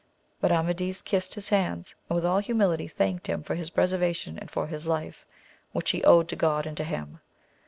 But Amadis kist his hands, and with all humility thanked him for his preservation and for his life, which he owed to God and to him.